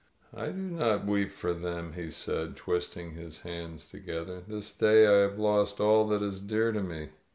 "I do not weep for them," he said, twisting his hands together. "This day I have lost all that is dear to me.